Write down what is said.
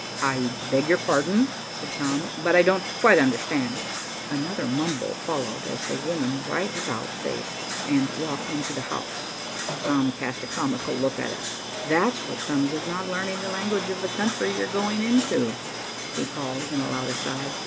"I beg your pardon," said Tom, "but I don't quite understand." Another mumble followed, as the woman right about faced and walked into the house. Tom cast a comical look at us. "That's what comes of not learning the language of the country you're going into," he called, in a loud aside.